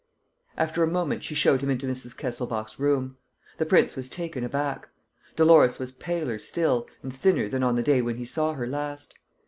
After a moment, she showed him into Mrs. Kesselbach's room. The prince was taken aback. Dolores was paler still and thinner than on the day when he saw her last.